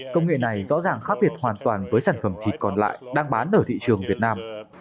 công nghệ này rõ ràng khác biệt hoàn toàn với sản phẩm thịt còn lại đang bán ở thị trường việt nam